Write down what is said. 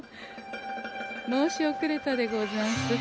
申しおくれたでござんす。